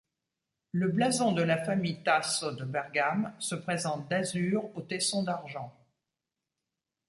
Le blason de la famille Tasso de Bergame se présente d'azur, au taisson d'argent.